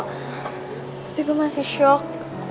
tapi gua masih shock